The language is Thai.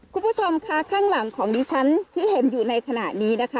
คุณผู้ชมคะข้างหลังของดิฉันที่เห็นอยู่ในขณะนี้นะคะ